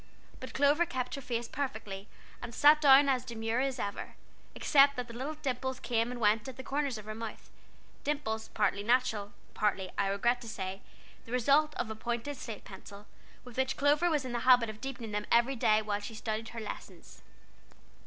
But Clover kept her face perfectly, and sat down as demure as ever, except that the little dimples came and went at the corners of her mouth; dimples, partly natural, and partly, I regret to say, the result of a pointed slate pencil, with which Clover was in the habit of deepening them every day while she studied her lessons.